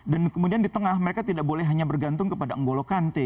dan kemudian di tengah mereka tidak boleh hanya bergantung kepada n'golo kante